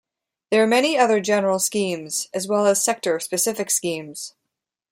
There are many other general schemes, as well as sector specific schemes.